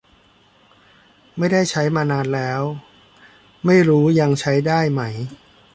ไม่ได้ใช้มานานแล้ว ไม่รู้ยังใช้ได้ไหม